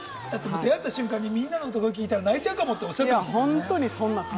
出会った瞬間、みんなの歌声を聴いたら、泣いちゃうかもって、おっしゃってましたもんね。